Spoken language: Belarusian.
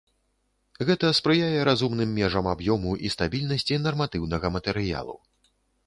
Гэта спрыяе разумным межам аб'ёму і стабільнасці нарматыўнага матэрыялу.